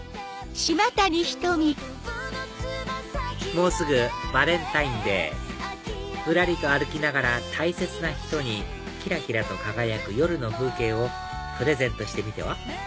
もうすぐバレンタインデーぶらりと歩きながら大切な人にきらきらと輝く夜の風景をプレゼントしてみては？